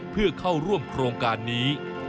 เพื่อเข้าร่วมโครงการนี้